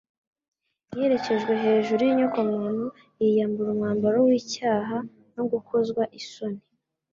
Yererejwe hejuru y’inyokomuntu, yiyambura umwambaro w’icyaha no gukozwa isoni,